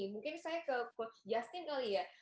mungkin saya ke coach justin kali ya